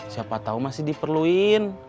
siapa tahu masih diperluin